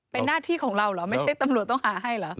เป็นหน้าที่ของเราเหรอไม่ใช่ตำรวจต้องหาให้เหรอ